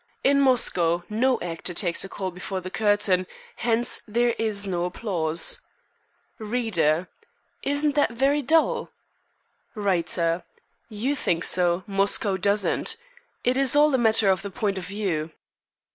In Moscow no actor takes a call before the curtain; hence, there is no applause." "Reader: Isn't that very dull?" "Writer: You think so; Moscow doesn't. It is all a matter of the point of view.